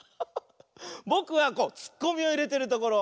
ぼくはツッコミをいれてるところ。